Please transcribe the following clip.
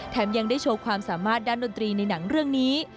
ยังได้โชว์ความสามารถด้านดนตรีในหนังเรื่องนี้